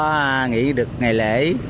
có nghỉ được ngày lễ